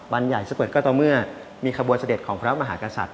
บรรยายสะเบิดก็ต่อเมื่อมีขบวนเสด็จของพระราชมหากศัตริย์